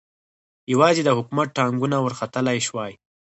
یوازې د حکومت ټانګونه ورختلای شوای.